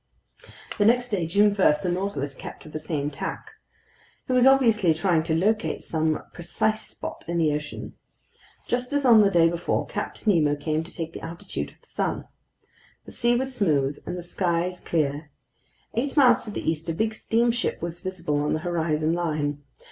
The next day, June 1, the Nautilus kept to the same tack. It was obviously trying to locate some precise spot in the ocean. Just as on the day before, Captain Nemo came to take the altitude of the sun. The sea was smooth, the skies clear. Eight miles to the east, a big steamship was visible on the horizon line.